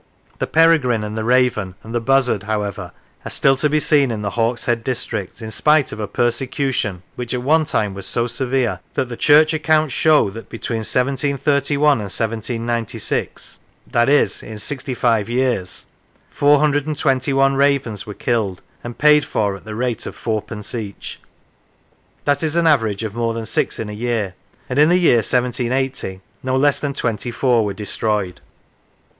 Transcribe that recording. The peregrine and the raven and the buzzard, however, are still to be seen in the Hawks head district, in spite of a persecution which at one time was so severe that the church accounts show that between 1731 and 1796 i.e., in sixty five years 421 ravens were killed, and paid for at the rate of fourpence each. That is an average of more than six in a year, and in the year 1780 no less than twenty four were destroyed.